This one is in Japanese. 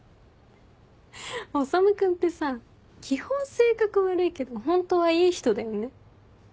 修君ってさ基本性格悪いけどホントはいい人だよね。